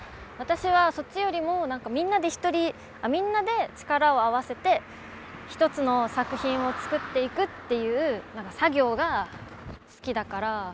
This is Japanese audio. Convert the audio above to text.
私はそっちよりも何かみんなでみんなで力を合わせて一つの作品を作っていくっていう作業が好きだから。